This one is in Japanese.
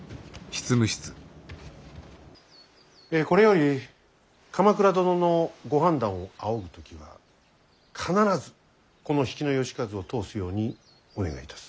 これより鎌倉殿のご判断を仰ぐ時は必ずこの比企能員を通すようにお願いいたす。